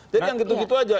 jadi yang gitu gitu aja